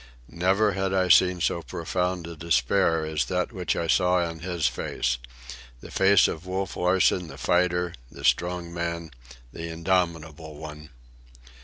Never had I seen so profound a despair as that which I saw on his face,—the face of Wolf Larsen the fighter, the strong man, the indomitable one.